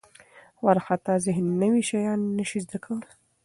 وارخطا ذهن نوي شیان نه شي زده کولی.